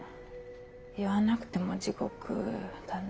言わなくても地獄だね。